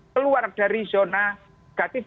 keluar dari zona negatif